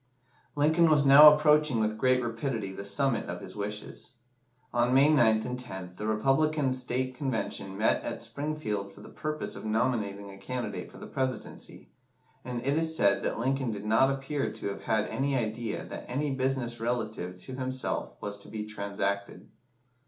Lincoln was now approaching with great rapidity the summit of his wishes. On May 9th and 10th the Republican State Convention met at Springfield for the purpose of nominating a candidate for the Presidency, and it is said that Lincoln did not appear to have had any idea that any business relative to himself was to be transacted.